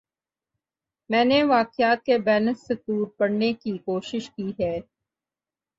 میں نے واقعات کے بین السطور پڑھنے کی کوشش کی ہے۔